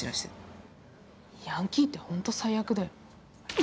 ヤンキーってホント最悪だよ。